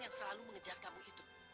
yang selalu mengejar kamu itu